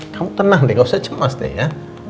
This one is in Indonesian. kamu tenang deh gak usah cemas deh ya